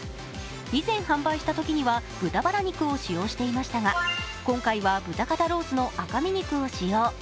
以前販売したときには豚バラ肉を使用していましたが今回は豚肩ロースの赤身肉を使用。